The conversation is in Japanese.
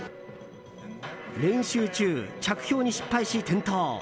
練習中、着氷に失敗し転倒。